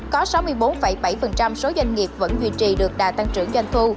có sáu mươi bốn bảy số doanh nghiệp vẫn duy trì được đà tăng trưởng doanh thu